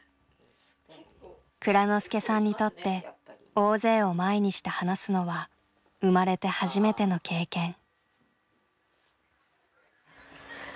蔵之介さんにとって大勢を前にして話すのは生まれて初めての経験。